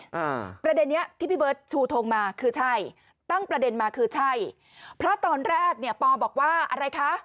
อ่าประเด็นเนี้ยที่พี่เบิร์ตชูทงมาคือใช่ตั้งประเด็นมาคือใช่เพราะตอนแรกเนี้ยปอบอกว่าอะไรคะ